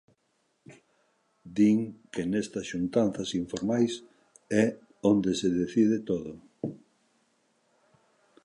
"Din que nestas xuntanzas informais é onde se decide todo".